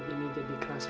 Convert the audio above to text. terminal ya bang ya